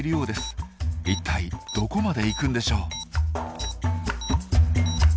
一体どこまで行くんでしょう？